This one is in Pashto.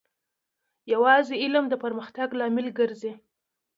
یوازې علم د پرمختګ لامل ګرځي.